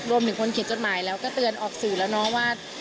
รวมถึงคนเขียนจดหมายแล้วก็เตือนออกสื่อแล้วเนาะว่า